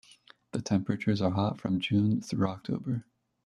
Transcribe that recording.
The temperatures are hot from June through October.